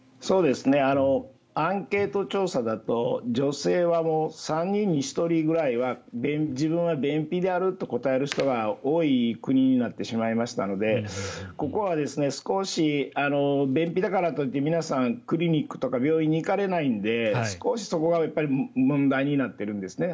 アンケート調査だと女性は３人に１人ぐらいは自分は便秘であると答える人が多い国になってしまいましたのでここは少し、便秘だからといって皆さん、クリニックとか病院に行かれないので少しそこは問題になっているんですね。